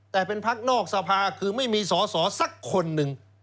แต่เป็นพักนอกสภาคือไม่มีสอสอสักคนหนึ่ง